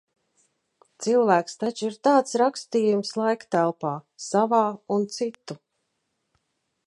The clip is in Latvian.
Cilvēks taču ir tāds rakstījums laiktelpā – savā un citu.